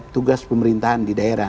tugas pemerintahan di daerah